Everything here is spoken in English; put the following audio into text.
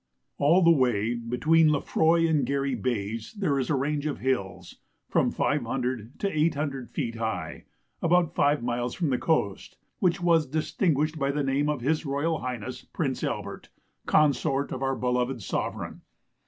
All the way between Lefroy and Garry Bays there is a range of hills, from 500 to 800 feet high, about five miles from the coast, which was distinguished by the name of His Royal Highness Prince Albert, consort of our beloved Sovereign.